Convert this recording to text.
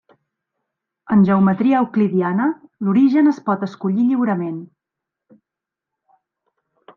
En geometria euclidiana, l'origen es pot escollir lliurement.